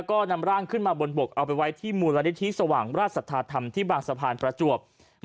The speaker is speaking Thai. ก็นำร่างขึ้นมาบนบกเอาไปไว้ที่มูลนิธิสว่างราชสัทธาธรรมที่บางสะพานประจวบ